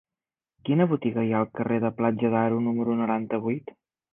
Quina botiga hi ha al carrer de Platja d'Aro número noranta-vuit?